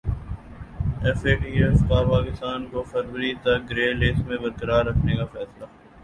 F A T F کا پاکستان کو فروری تک گرے لسٹ میں برقرار رکھنے کا فیصلہ